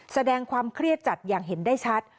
แสดงความเครียดจัดอย่างเห็นได้ชัด